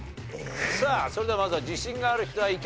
それではまずは自信がある人はイケる！